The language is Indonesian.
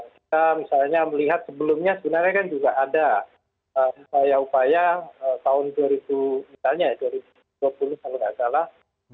kita misalnya melihat sebelumnya sebenarnya kan juga ada upaya upaya tahun dua ribu dua puluh kalau nggak salah